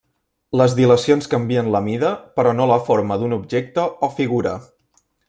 Les dilacions canvien la mida però no la forma d'un objecte o figura.